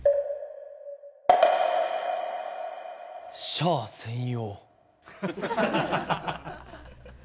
「シャア専用」。